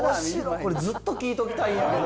これずっと聞いときたいんやけど。